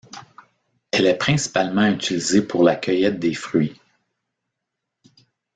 Elle est principalement utilisée pour la cueillette des fruits.